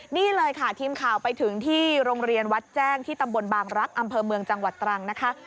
นี่เลยค่ะทีมข่าวไปถึงที่โรงเรียนวัดแจ้งที่ตำบลบางรักษ์อำเภอเมืองจังหวัดตรังนะคะ